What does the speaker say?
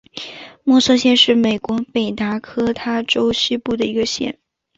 默瑟县是美国北达科他州西部的一个县。